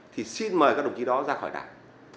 thì xin mời các đồng chí đó ra khỏi đảng